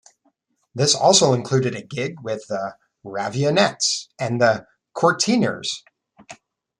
This also included a gig with The Raveonettes and The Courteeners.